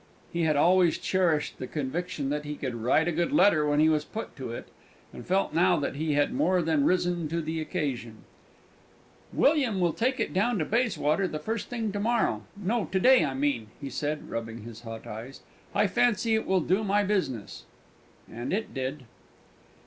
He had always cherished the conviction that he could "write a good letter when he was put to it," and felt now that he had more than risen to the occasion. "William shall take it down to Bayswater the first thing to morrow no, to day, I mean," he said, rubbing his hot eyes. "I fancy it will do my business!" And it did.